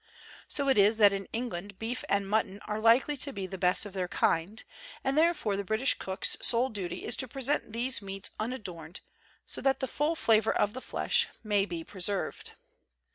So it is that in Eng land beef and mutton are likely to be the best of their kind; and therefore the British cook's sole duty is to present these meats unadorned so that the full flavor of the flesh may be pre served.